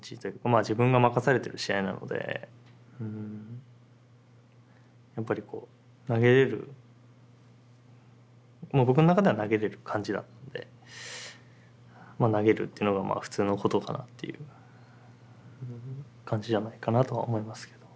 まあ自分が任されてる試合なのでやっぱりこう投げれる僕の中では投げれる感じだったので投げるというのが普通のことかなという感じじゃないかなとは思いますけど。